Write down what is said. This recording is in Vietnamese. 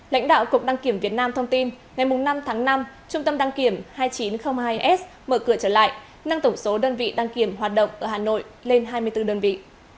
lãnh đạo cục đăng kiểm việt nam thông tin ngày năm tháng năm trung tâm đăng kiểm hai nghìn chín trăm linh hai s mở cửa trở lại nâng tổng số đơn vị đăng kiểm hoạt động ở hà nội lên hai mươi bốn đơn vị